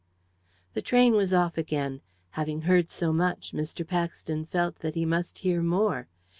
The train was off again. Having heard so much, Mr. Paxton felt that he must hear more.